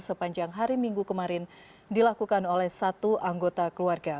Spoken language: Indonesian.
sepanjang hari minggu kemarin dilakukan oleh satu anggota keluarga